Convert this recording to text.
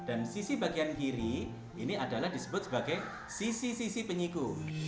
dan sisi bagian kiri ini adalah disebut sebagai sisi sisi penyiku